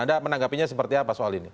anda menanggapinya seperti apa soal ini